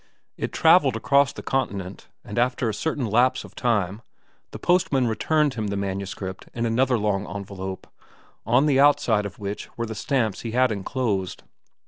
It travelled across the continent, and after a certain lapse of time the postman returned him the manuscript in another long envelope, on the outside of which were the stamps he had enclosed.